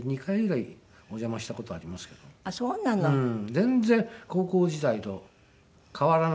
全然高校時代と変わらない。